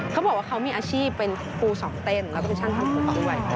เขาบอกว่าเขามีอาชีพเป็นปูสองเต้นแล้วก็เป็นช่างทำปูบ้างด้วย